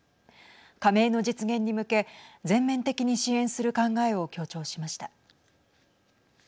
加盟の実現に向け全面的に支援する考えを強調しました。